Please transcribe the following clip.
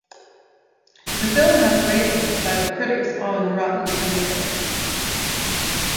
The film has rating by the critics on Rotten Tomatoes.